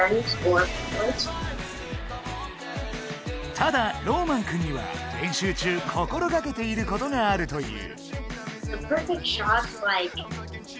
ただローマンくんには練習中こころがけていることがあるという。